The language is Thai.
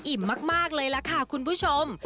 มากเลยล่ะค่ะคุณผู้ชม